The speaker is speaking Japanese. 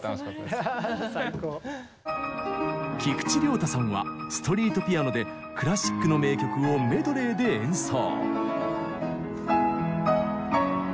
菊池亮太さんはストリートピアノでクラシックの名曲をメドレーで演奏。